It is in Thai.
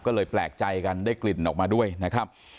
ก็เลยแปลกใจกันได้กลิ่นออกมาด้วยนะครับ